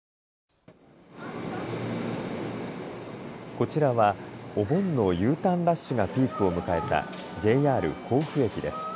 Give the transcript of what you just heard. こちらはお盆のＵターンラッシュがピークを迎えたＪＲ甲府駅です。